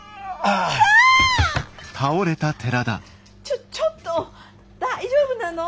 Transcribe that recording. ちょちょっと大丈夫なの？